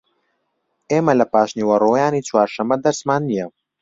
ئێمە لە پاشنیوەڕۆیانی چوارشەممە دەرسمان نییە.